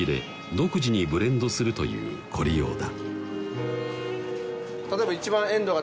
独自にブレンドするという凝りようだ